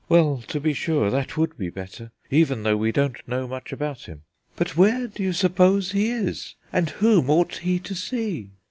"Well, to be sure, that would be better, even though we don't know much about him." "But where do you suppose he is, and whom ought he to see?"